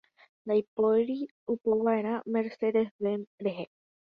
Ndaipóri opova'erã Mercedes Benz-re.